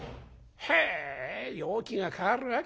へえ陽気が変わるわけだ。